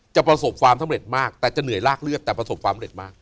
ประสบความสำเร็จมากแต่จะเหนื่อยลากเลือดแต่ประสบความเร็จมาก